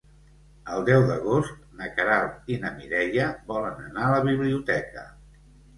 El deu d'agost na Queralt i na Mireia volen anar a la biblioteca.